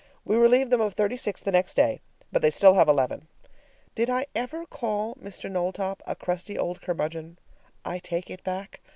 We relieved them of thirty six the next day, but they still have eleven. Did I ever call Mr. Knowltop a crusty old curmudgeon? I take it back.